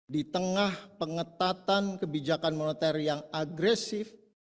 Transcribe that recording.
di tengah pengetatan kebijakan moneter yang agresif